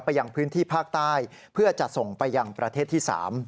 ยังพื้นที่ภาคใต้เพื่อจะส่งไปยังประเทศที่๓